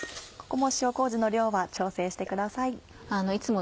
ここも塩麹の量は調整してください。